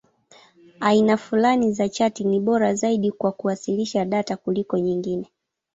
Aina fulani za chati ni bora zaidi kwa kuwasilisha data kuliko nyingine.